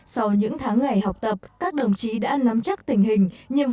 sau những tháng ngày học tập các đồng chí đã nắm chắc tình hình